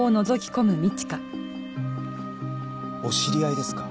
お知り合いですか？